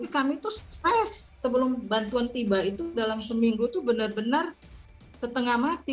kami tuh stres sebelum bantuan tiba itu dalam seminggu itu benar benar setengah mati